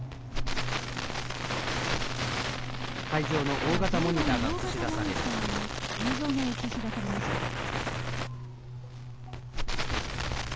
場内の大型モニターに映像が映し出されました。